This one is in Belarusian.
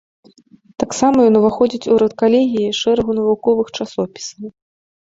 Таксама ён уваходзіць у рэдкалегіі шэрагу навуковых часопісаў.